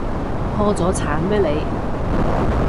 破咗產咩你？